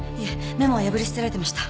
メモは破り捨てられてました。